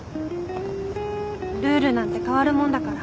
ルールなんて変わるもんだから。